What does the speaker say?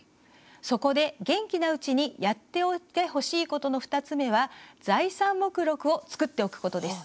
そこで、元気なうちにやっておいてほしいことの２つ目は財産目録を作っておくことです。